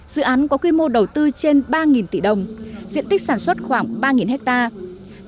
dự án có quy mô đầu tư trên ba tỷ đồng diện tích sản xuất khoảng ba hectare